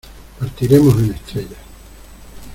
partiremos en estrella.